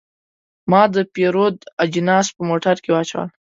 ما د پیرود اجناس په موټر کې واچول.